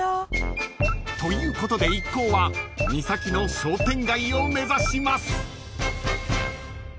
［ということで一行は三崎の商店街を目指します］